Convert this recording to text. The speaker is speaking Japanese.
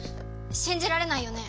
信じられないよね？